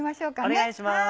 お願いします。